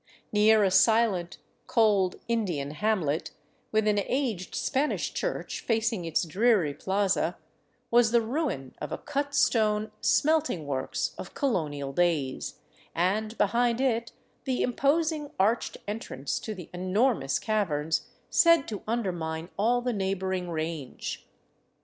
Near a silent, cold, Indian hamlet, with an aged Spanish church facing its dreary plaza, was the ruin of a cut stone smelting works of colonial days, and behind it the imposing arched entrance to the enormous caverns said to undermine all the neighboring range.